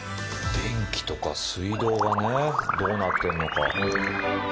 電気とか水道がねどうなってんのか。